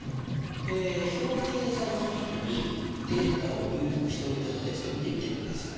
表計算ソフトにデータを入力しておいたのでちょっと見てみてください。